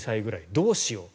どうしようと。